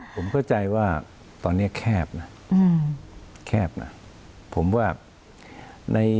ผมเข้าใจว่าตอนนี้แคบนะแคบนะผมว่าใน